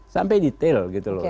sampai detail gitu loh